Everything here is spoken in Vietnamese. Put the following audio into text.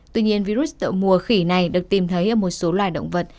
tuy nhiên virus mùa khỉ này được tìm thấy ở một số loài động vật